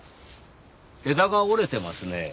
枝が折れてますねぇ。